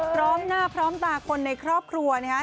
พร้อมหน้าพร้อมตาคนในครอบครัวนะครับ